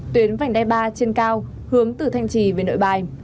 tuyến vành đai ba trên cao hướng từ thanh trì về nội bài